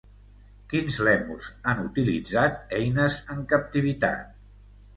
Quins lèmurs han utilitzat eines en captivitat?